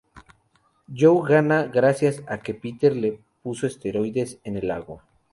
Joe gana gracias a que Peter le puso esteroides en el agua.